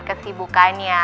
banyak banget kesibukannya